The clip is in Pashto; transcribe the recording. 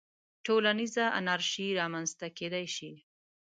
ټولنیزه انارشي رامنځته کېدای شي.